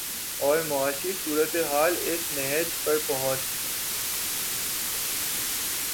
اور معاشی صورت حال اس نہج پر پہنچ